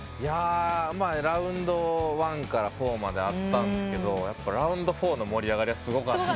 ラウンド１から４まであったんですけどラウンド４の盛り上がりはすごかった。